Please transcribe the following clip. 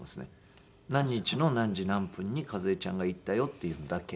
「何日の何時何分に和枝ちゃんが逝ったよ」っていうのだけ。